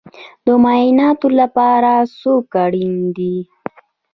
د معایناتو لپاره څوک اړین دی؟